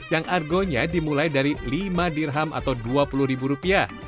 yang argonya dimulai dari lima dirham atau dua puluh ribu rupiah